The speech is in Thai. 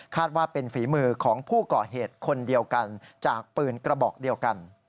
ว่าเป็นฝีมือของผู้ก่อเหตุคนเดียวกันจากปืนกระบอกเดียวกัน